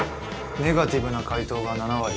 ネガティブな回答が７割。